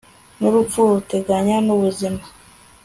n'urupfu ruteganye n'ubuzima